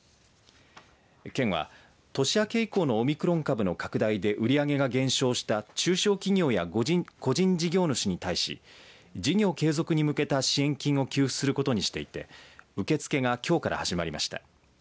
県は年明け以降のオミクロン株の拡大で売り上げが減少した中小企業や個人事業主に対し事業継続に向けた支援金を給付することにしていて受け付けがきょうから始まりました。